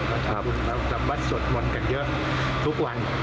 ทำวัดสดมนต์กันเยอะทุกวัน